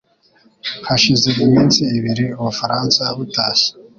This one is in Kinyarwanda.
hashize iminsi ibiri Ubufaransa butashye